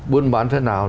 buôn bán thế nào